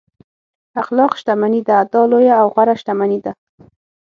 اخلاق شتمني ده دا لویه او غوره شتمني ده.